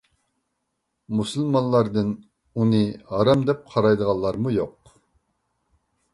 مۇسۇلمانلاردىن ئۇنى ھارام دەپ قارايدىغانلارمۇ يوق.